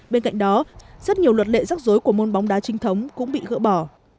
bên cạnh đó rất nhiều luật lệ rắc rối của môn bóng đá trinh thống cũng bị gỡ bỏ